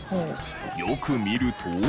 よく見ると。